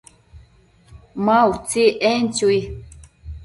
Ma utsi, en chui